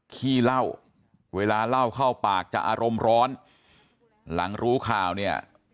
ขี้เหล้าเวลาเล่าเข้าปากจะอารมณ์ร้อนหลังรู้ข่าวเนี่ย